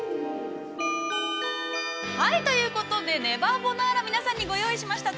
◆ということで、ねばボナーラ、皆さんにご用意しました。